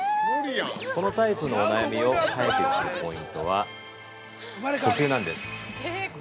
このタイプのお悩みを解決するポイントは呼吸なんです。